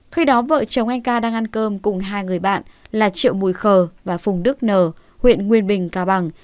khi đó vợ chồng anh ca đang ăn cơm cùng hai người bạn là triệu mùi khờ và phùng đức nờ huyện nguyên bình cao bằng